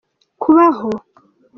kubaho